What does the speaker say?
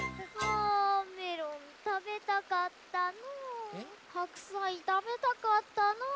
あメロンたべたかったのぅ。はくさいたべたかったのぅ。